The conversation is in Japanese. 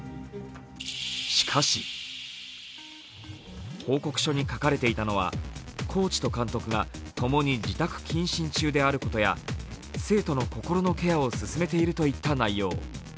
しかし、報告書に書かれていたのはコーチと監督が共に自宅謹慎中であることや生徒の心のケアを進めているといった内容。